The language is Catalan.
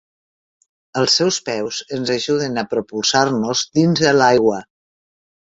Els seus peus ens ajuden a propulsar-nos dins de l'aigua.